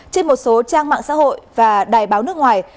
trên một số trang mạng xã hội và đài báo nước ngoài